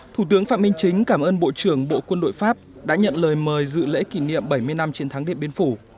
thủ tướng phạm minh chính cảm ơn bộ trưởng bộ quân đội pháp đã nhận lời mời dự lễ kỷ niệm bảy mươi năm chiến thắng điện biên phủ